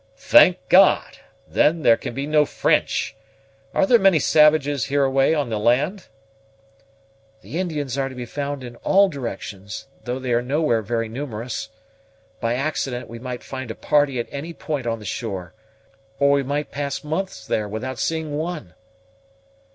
"Thank God! then, there can be no French. Are there many savages, hereaway, on the land?" "The Indians are to be found in all directions; though they are nowhere very numerous. By accident, we might find a party at any point on the shore; or we might pass months there without seeing one."